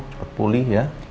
cepet pulih ya